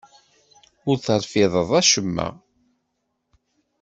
Ur terfideḍ acemma.